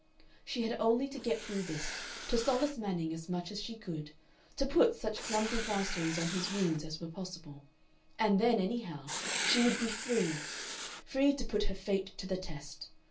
She had only to get through this, to solace Manning as much as she could, to put such clumsy plasterings on his wounds as were possible, and then, anyhow, she would be free free to put her fate to the test.